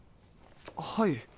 はい。